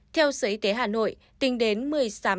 theo sở y tế hà nội tính đến một mươi sáu h ngày năm tháng một mươi một